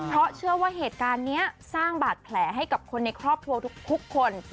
เพราะเชื่อว่าเหตุการณ์นี้สร้างบาดแผลให้กับคนในครอบครัวทุกคน